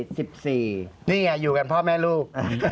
นี่ไงอยู่กันพ่อแม่ลูก